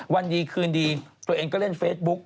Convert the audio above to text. วันดีคืนดีตัวเองก็เล่นเฟซบุ๊ก